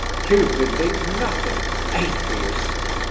You believe nothing, atheist!